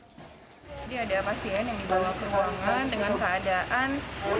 jadi ada pasien yang dibawa ke ruangan dengan keadaan